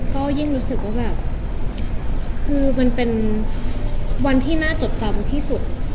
ก็ยิ่งรู้สึกว่าแบบคือมันเป็นวันที่น่าจดจำที่สุด